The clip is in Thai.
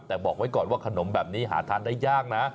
แต่บอกไว้ก่อนว่าขนมแบบนี้หาทานได้ยากนะ